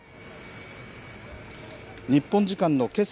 日本時間のけさ